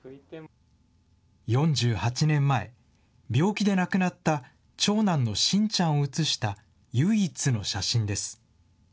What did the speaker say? ４８年前、病気で亡くなった長男の晋ちゃんを写した唯一の写真です。